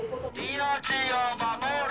命を守れ！